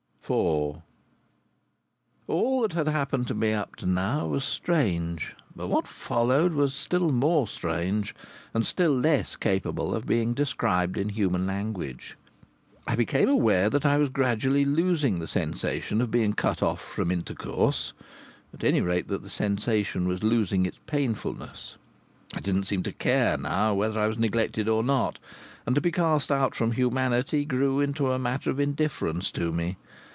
IV All that had happened to me up to now was strange; but what followed was still more strange and still less capable of being described in human language. I became aware that I was gradually losing the sensation of being cut off from intercourse, at any rate that the sensation was losing its painfulness. I didn't seem to care, now, whether I was neglected or not. And to be cast out from humanity grew into a matter of indifference to me.